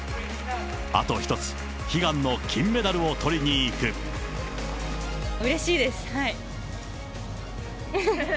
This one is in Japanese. あと１つ、悲願の金メダルをとりうれしいです。